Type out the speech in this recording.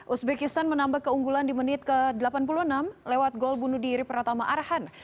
uzbekistan menambah keunggulan di menit ke delapan puluh enam lewat gol bunuh diri pertama arhan